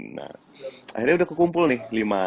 nah akhirnya udah kekumpul nih